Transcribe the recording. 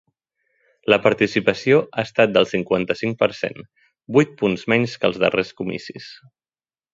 La participació ha estat del cinquanta-cinc per cent, vuit punts menys que als darrers comicis.